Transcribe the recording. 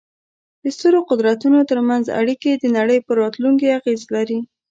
د سترو قدرتونو ترمنځ اړیکې د نړۍ پر راتلونکې اغېز لري.